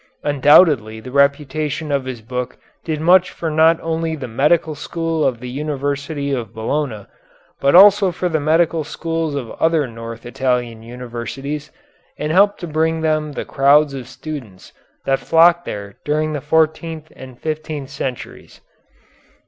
Undoubtedly the reputation of his book did much for not only the medical school of the University of Bologna, but also for the medical schools of other north Italian universities, and helped to bring to them the crowds of students that flocked there during the fourteenth and fifteenth centuries.